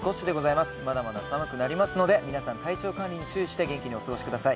まだまだ寒くなりますので、皆さん体調管理に注意して元気にお過ごしください。